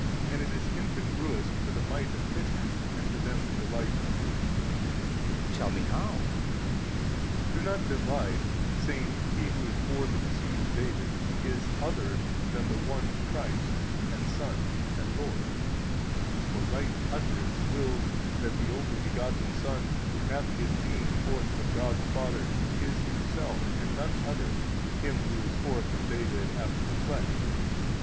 and it is incongruous to the might of the mystery and to them who delight in the truth. B. Tell me how. A. Do not divide, saying that he who is forth of the seed of David is other than the One Christ and Son and Lord: for right utterance wills that the Only Begotten Son Who hath His Being forth of God the Father is Himself, and none other, him who is forth of David after the flesh.